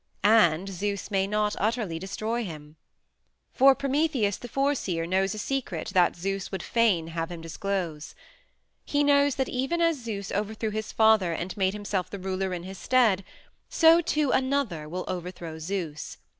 And Zeus may not utterly destroy him. For Prometheus the Foreseer knows a secret that Zeus would fain have him disclose. He knows that even as Zeus overthrew his father and made himself the ruler in his stead, so, too, another will overthrow Zeus.